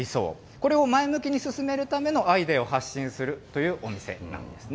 これを前向きに進めるためのアイデアを発信するというお店なんですね。